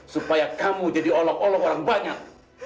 supaya kamu jadi olok olok orang banyak